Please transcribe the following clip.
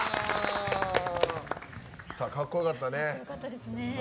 かっこよかったね。